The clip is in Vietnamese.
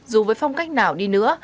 dù với phong cách nào đi nữa